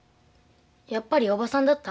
やっぱりおばさんだった？